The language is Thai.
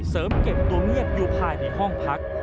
เก็บตัวเงียบอยู่ภายในห้องพัก